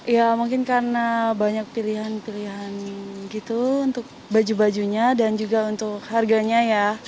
ya mungkin karena banyak pilihan pilihan gitu untuk baju bajunya dan juga untuk harganya ya